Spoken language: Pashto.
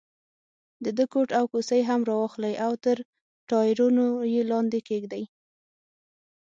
د ده کوټ او کوسۍ هم را واخلئ او تر ټایرونو یې لاندې کېږدئ.